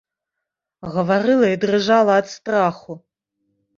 Гаварыла і дрыжала ад страху.